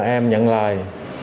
em nhận lời